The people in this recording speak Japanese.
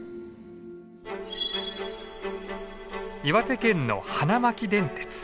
岩手県の花巻電鉄。